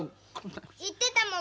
言ってたもん。